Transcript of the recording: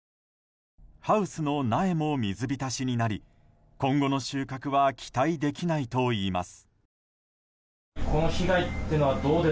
ハウスの苗も水浸しになり今後の収穫は期待できないといいます。